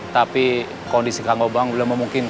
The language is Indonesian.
tapi kondisi kang obamang belum memungkinkan